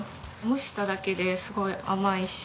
蒸しただけですごい甘いし。